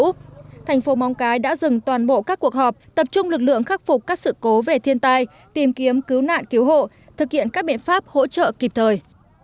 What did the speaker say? trước đó thành phố móng cái đã dừng toàn bộ các cuộc họp tập trung lực lượng khắc phục các sự cố về thiên tai tìm kiếm cứu nạn cứu hộ thực hiện các biện pháp hỗ trợ kịp thời